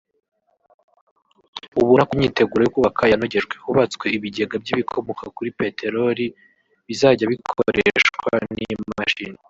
ubona ko imyiteguro yo kubaka yanogejwe; hubatswe ibigega by’ibikomoka kuri peteroli bizajya bikoreshwa n’imashini